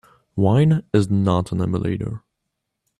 Wine is not an emulator.